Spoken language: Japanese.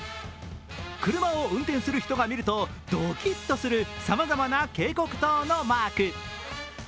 車を運転する人が見るとドキッとするさまざまな警告灯のマーク。